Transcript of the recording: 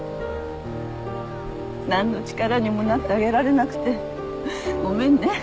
何の力にもなってあげられなくてごめんね。